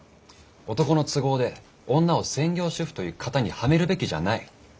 男の都合で女を「専業主婦」という型にはめるべきじゃない。